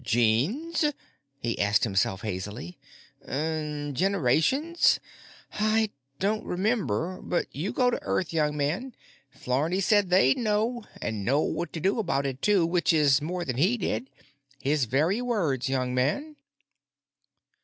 "Genes?" he asked himself hazily. "Generations? I don't remember. But you go to Earth, young man. Flarney said they'd know, and know what to do about it, too, which is more than he did. His very words, young man!"